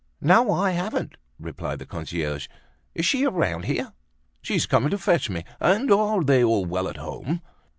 "No, I haven't," replied the concierge. "Is she around here?" "She's coming to fetch me. And are they all well at home?"